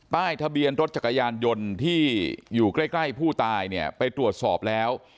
ทะเบียนรถจักรยานยนต์ที่อยู่ใกล้ใกล้ผู้ตายเนี่ยไปตรวจสอบแล้ว